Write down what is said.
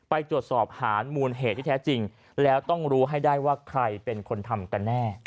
ไปตรวจสอบหามูลเหตุที่แท้จริงแล้วต้องรู้ให้ได้ว่าใครเป็นคนทำกันแน่